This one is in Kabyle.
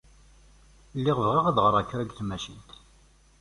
Lliɣ bɣiɣ ad ɣreɣ kra deg tmacint.